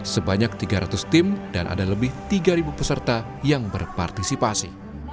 sebanyak tiga ratus tim dan ada lebih tiga peserta yang berpartisipasi